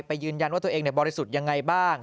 ยืนยันว่าตัวเองบริสุทธิ์ยังไงบ้าง